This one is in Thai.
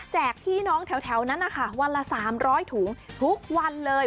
พี่น้องแถวนั้นนะคะวันละ๓๐๐ถุงทุกวันเลย